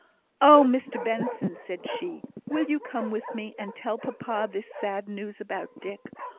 "Oh, Mr Benson!" said she, "will you come with me, and tell papa this sad news about Dick?